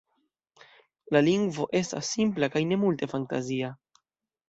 La lingvo estas simpla kaj ne multe fantazia.